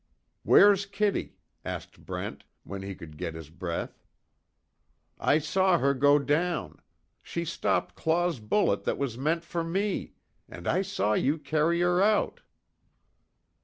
_" "Where's Kitty?" asked Brent, when he could get his breath. "I saw her go down. She stopped Claw's bullet that was meant for me! And I saw you carry her out!"